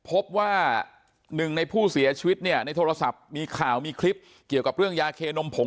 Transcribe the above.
พบว่าหนึ่งในผู้เสียชีวิตเนี่ยในโทรศัพท์มีข่าวมีคลิปเกี่ยวกับเรื่องยาเคนมผง